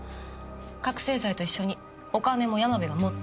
覚せい剤と一緒にお金も山部が持ってったって。